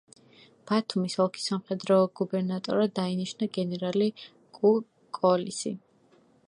ბათუმის ოლქის სამხედრო გუბერნატორად დაინიშნა გენერალი კუკ-კოლისი.